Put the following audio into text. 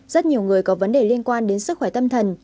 rất nhiều người có vấn đề liên quan đến sức khỏe tâm thần